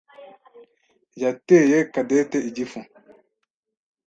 yateye Cadette igifu.